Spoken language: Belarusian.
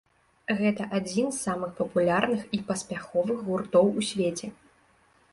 Гэта адзін з самых папулярных і паспяховых гуртоў у свеце.